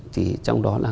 chỉ trong đó là